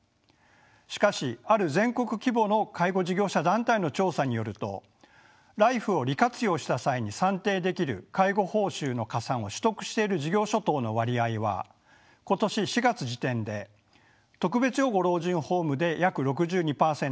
しかしある全国規模の介護事業者団体の調査によるとＬＩＦＥを利活用した際に算定できる介護報酬の加算を取得している事業所等の割合は今年４月時点で特別養護老人ホームで約６２％。